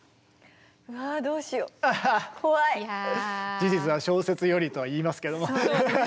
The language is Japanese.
事実は小説よりとは言いますけども。